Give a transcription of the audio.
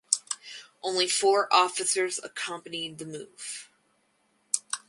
Only four officers accompanied the move.